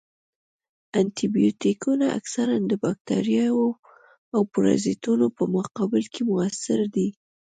انټي بیوټیکونه اکثراً د باکتریاوو او پرازیتونو په مقابل کې موثر دي.